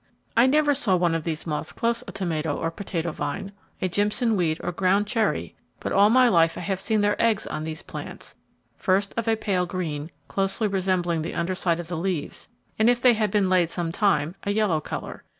I never saw one of these moths close a tomato or potato vine, a jimson weed or ground cherry, but all my life I have seen their eggs on these plants, first of a pale green closely resembling the under side of the leaves, and if they had been laid some time, a yellow colour.